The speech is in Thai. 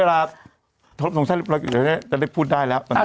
เลยได้พูดได้แล้วนะคะ